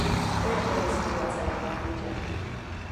To je tedy situace na papíře.